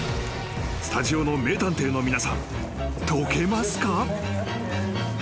スタジオの名探偵の皆さん解けますか？］